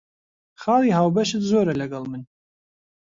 خاڵی هاوبەشت زۆرە لەگەڵ من.